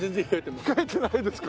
控えてないですか！